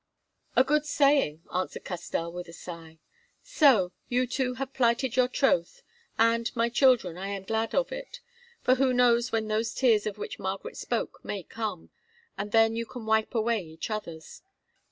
"A good saying," answered Castell with a sigh. "So you two have plighted your troth, and, my children, I am glad of it, for who knows when those tears of which Margaret spoke may come, and then you can wipe away each other's?